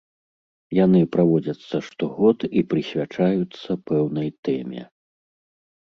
Яны праводзяцца штогод і прысвячаюцца пэўнай тэме.